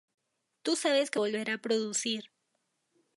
Tú sabes que volverá a producir...